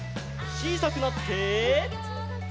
ちいさくなって。